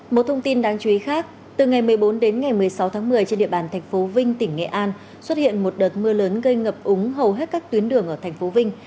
một thông tin đáng chú ý khác từ ngày một mươi bốn đến ngày một mươi sáu tháng một mươi trên địa bàn thành phố vinh tỉnh nghệ an xuất hiện một đợt mưa lớn gây ngập úng hầu hết các tuyến đường ở tp vinh